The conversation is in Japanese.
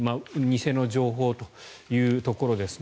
偽の情報というところですね。